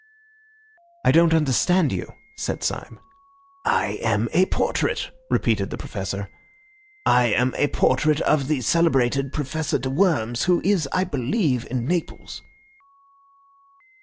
"I don't understand you," said Syme. "I am a portrait," repeated the Professor. "I am a portrait of the celebrated Professor de Worms, who is, I believe, in Naples."